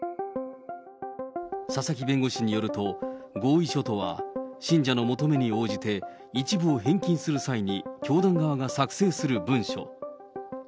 佐々木弁護士によると、合意書とは、信者の求めに応じて、一部を返金する際に教団側が作成する文書。